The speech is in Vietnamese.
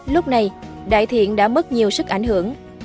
lúc này đại thiện đã mất nhiều sức ảnh hưởng